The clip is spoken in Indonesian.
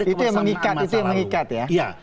itu yang mengikat ya